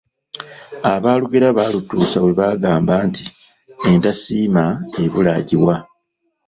Abaalugera baalutuusa bwe baagamba nti, entasiima ebula agiwa.